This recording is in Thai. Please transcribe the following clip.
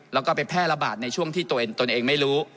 แล้วก็ไปแพร่ระบาดในช่วงที่ตนเองไม่รู้